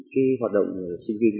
khi hoạt động sinh viên